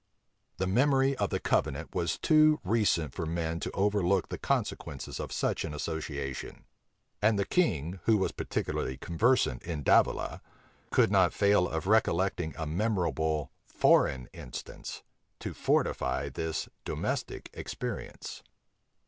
The memory of the covenant was too recent for men to overlook the consequences of such an association; and the king, who was particularly conversant in Davila, could not fail of recollecting a memorable foreign instance, to fortify this domestic experience.